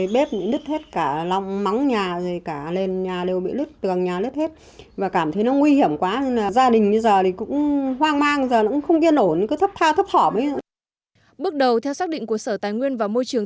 bước đầu theo xác định của sở tài nguyên và môi trường